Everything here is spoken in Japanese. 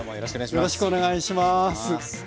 よろしくお願いします。